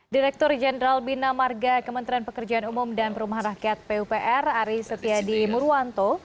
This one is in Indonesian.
direktur jenderal bina marga kementerian pekerjaan umum dan perumahan rakyat pupr ari setia di muruwanto